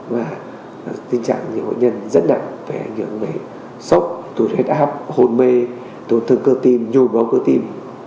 và tình trạng của bệnh nhân rất nặng về những sốc tổn thương hết áp hồn mê tổn thương cơ tim nhu bóng cơ tim